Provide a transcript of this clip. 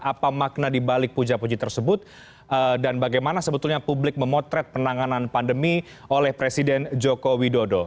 apa makna dibalik puja puji tersebut dan bagaimana sebetulnya publik memotret penanganan pandemi oleh presiden joko widodo